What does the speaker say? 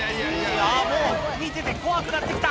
もう見てて怖くなってきた。